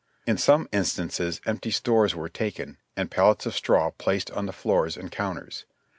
In some instances empty stores were taken, and pallets of straw placed on the floors and counters.